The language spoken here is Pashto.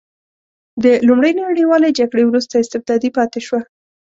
د لومړۍ نړیوالې جګړې وروسته استبدادي پاتې شوه.